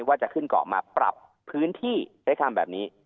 ว่าจะขึ้นเกาะมาปรับพื้นที่ใช้คำแบบนี้